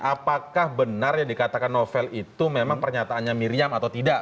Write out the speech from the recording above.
apakah benar yang dikatakan novel itu memang pernyataannya miriam atau tidak